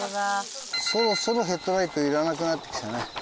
そろそろヘッドライトいらなくなってきたね。